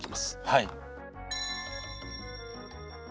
はい。